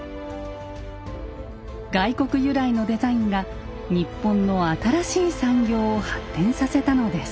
外国由来のデザインが日本の新しい産業を発展させたのです。